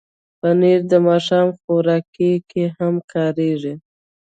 پنېر د ماښام خوراک کې هم کارېږي.